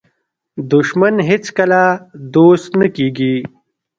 دښمن هیڅکله دوست نه کېږي